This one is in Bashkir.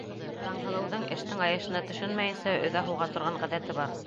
Таңһылыуҙың эштең айышына төшөнмәйенсә өҙә һуға торған ғәҙәте бар.